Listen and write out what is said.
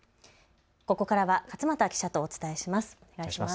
ここからは勝又記者とお伝えします。